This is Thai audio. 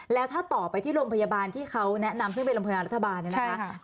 แล้วถ้าต่อไปที่โรงพยาบาลที่เขาแนะนำซึ่งเป็นโรงพยาบาลรัฐบาลเนี่ยนะคะ